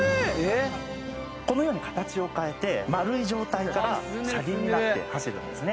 このように形を変えて丸い状態から車輪になって走るんですね。